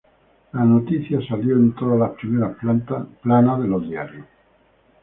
La noticia salió en todas las primeras planas de los diarios.